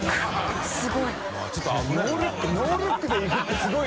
すごい。